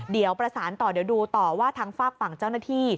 เดี๋ยวประสานต่อเดี๋ยวดูต่อว่าทางฝากฝั่งเจ้าหน้าที่